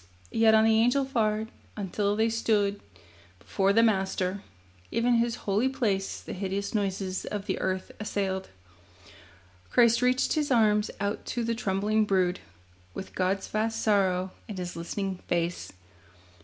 Yet on the Angel fared, until they stood Before the Master. (Even His holy place The hideous noises of the earth assailed.) Christ reached His arms out to the trembling brood, With God's vast sorrow in His listening face.